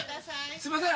すいません